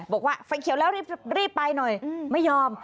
บอกว่าไฟเขียวแล้วรีบไปหน่อยไม่ยอม